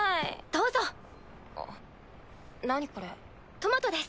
トマトです。